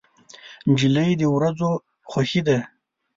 نجلۍ د ورځو خوښي ده.